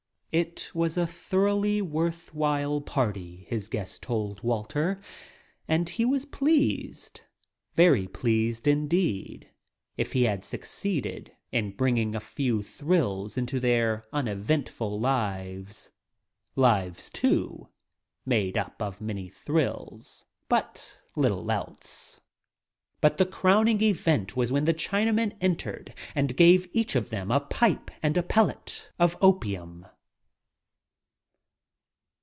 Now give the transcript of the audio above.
It was thoroughly a worth while party, his guests told Walter, and he was pleased — very pleased, indeed, if he had suc ceeded in bringing a few thrills into their uneventful lives — lives, too, made up of many thrills, but little else. But the crowning event was when the Chinaman entered and gave each of them a pipe and a pellet of opium.